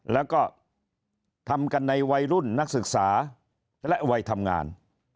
แล้วก็ทำกันในวัยรุ่นนักศึกษาและวัยทำงาน